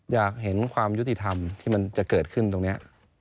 อยากเห็นความยุติธรรมที่มันจะเกิดขึ้นตรงนี้